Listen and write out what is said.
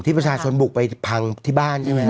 ประชาชนบุกไปพังที่บ้านใช่ไหมครับ